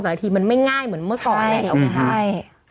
สหรัฐทีมันไม่ง่ายเหมือนเมื่อก่อนแหละ